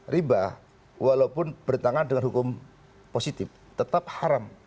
ribah walaupun bertentangan dengan hukum positif tetap haram